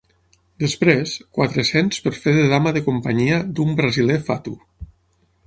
Després, quatre-cents per fer de dama de companyia d'un brasiler fatu.